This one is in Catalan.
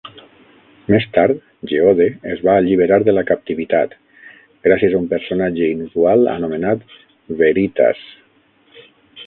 Més tard, Geode es va alliberar de la captivitat, gràcies a un personatge inusual anomenat Veritas.